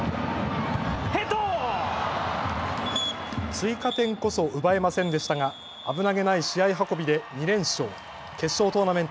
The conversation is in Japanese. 追加点こそ奪えませんでしたが危なげない試合運びで２連勝。